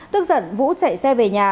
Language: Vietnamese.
tức giận vũ chạy xe về nhà